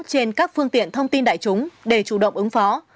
trên các phương tiện thông tin đại chúng để chủ động ứng phó